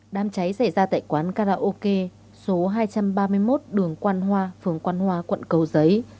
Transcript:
đám cháy xảy ra tại quán karaoke số hai trăm ba mươi một đường quan hoa phường quan hoa quận cầu giấy